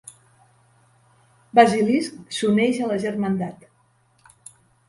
Basilisk s'uneix a la germandat.